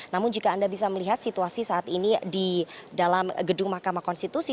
namun jika anda bisa melihat situasi saat ini di dalam gedung mahkamah konstitusi